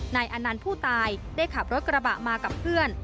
อนันต์ผู้ตายได้ขับรถกระบะมากับเพื่อน